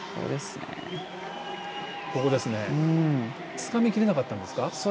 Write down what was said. つかみきれなかったんですか？